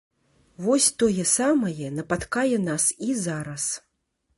Вось тое самае напаткае нас і зараз.